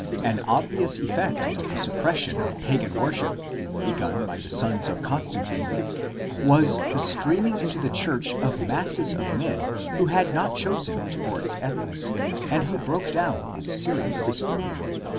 An obvious effect of the suppression of pagan worship, begun by the sons of Constantine, was the streaming into the church of masses of men who had not chosen it for its ethics and who broke down its serious discipline.